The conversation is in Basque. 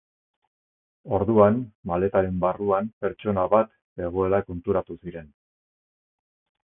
Orduan, maletaren barruan pertsona bat zegoela konturatu ziren.